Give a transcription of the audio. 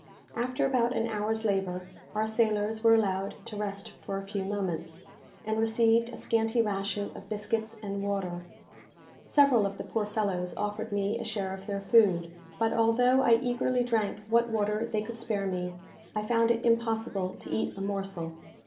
After about an hour's labour, our sailors were allowed to rest for a few moments, and received a scanty ration of biscuits and water. Several of the poor fellows offered me a share of their food; but, although I eagerly drank what water they could spare me, I found it impossible to eat a morsel.